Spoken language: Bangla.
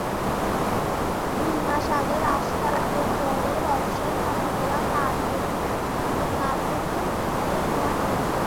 দুই মাস আগে রাস্তার ওপরের অংশের ভাঙাচোরা কার্পেটিং তুলে ফেলা হয়েছে।